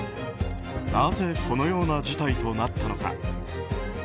なぜこのような事態となったのか。